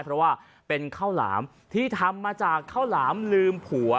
เพราะว่าเป็นข้าวหลามที่ทำมาจากข้าวหลามลืมผัว